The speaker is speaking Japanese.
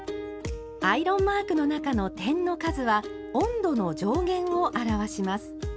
アイロンマークの中の点の数は温度の上限を表します。